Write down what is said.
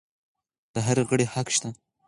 د هر غړي حق شته.